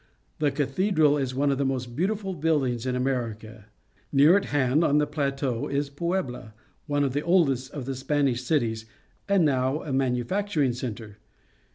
The cathedral is one of the most beautiful buildings in America. Near at hand on the plateau is Puebla, one of the oldest of the Spanish cities and now a manufacturing centre.